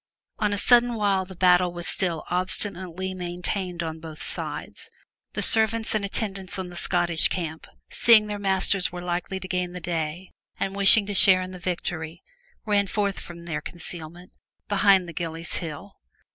On a sudden while the battle was still obstinately maintained on both sides, the servants and attendants on the Scottish camp, seeing their masters were likely to gain the day, and wishing to share in the victory, ran forth from their conceal ment behind the Gillies' Hill.